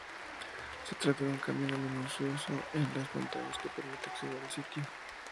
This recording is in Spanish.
Se trata de un camino sinuoso en las montañas que permite acceder al sitio.